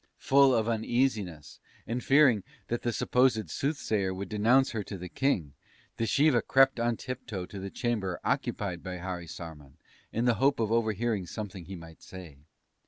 "Full of uneasiness, and fearing that the supposed Soothsayer would denounce her to the King, Dschiva crept on tiptoe to the chamber occupied by Harisarman, in the hope of overhearing something he might say.